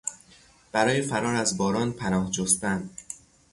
برای فرار از باران پناه جستن